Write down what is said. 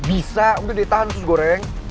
bisa udah deh tahan usus goreng